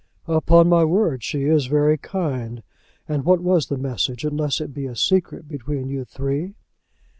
"Upon my word she is very kind. And what was the message, unless it be a secret between you three?"